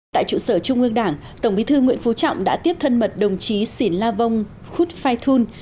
tại trụ sở trung ương đảng tổng bí thư nguyễn phú trọng đã tiếp thân mật đồng chí xỉn la vong khúc phai thun